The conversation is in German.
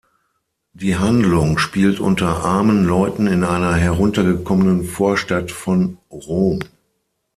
Die Handlung spielt unter armen Leuten in einer heruntergekommenen Vorstadt von Rom.